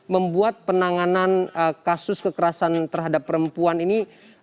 membuat penanganan kasus kekerasan terhadap perempuan ini